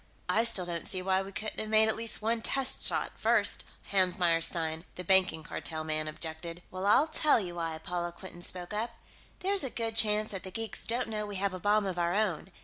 "I still don't see why we couldn't have made at least one test shot, first," Hans Meyerstein, the Banking Cartel man, objected. "Well, I'll tell you why," Paula Quinton spoke up. "There's a good chance that the geeks don't know we have a bomb of our own.